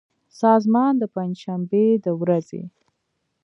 سازمان د پنجشنبې د ورځې